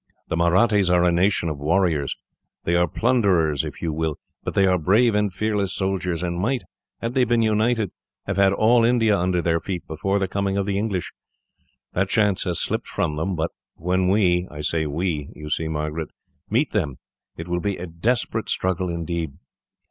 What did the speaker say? The Mahrattis are a nation of warriors. They are plunderers, if you will, but they are brave and fearless soldiers, and might, had they been united, have had all India under their feet before the coming of the English. That chance has slipped from them. But when we I say 'we' you see, Margaret meet them, it will be a desperate struggle, indeed."